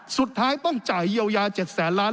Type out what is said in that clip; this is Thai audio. สุดท้ายต้องจ่ายเยียวยา๗แสนล้าน